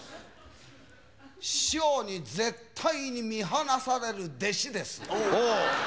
師匠に絶対に見放される弟子です。